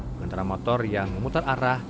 pengendara motor yang memutar arah